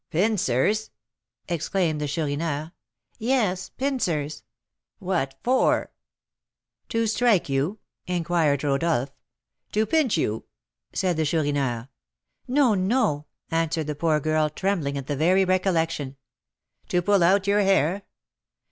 "Pincers!" exclaimed the Chourineur. "Yes, pincers." "What for?" "To strike you?" inquired Rodolph. "To pinch you?" said the Chourineur. "No, no," answered the poor girl, trembling at the very recollection. "To pull out your hair?"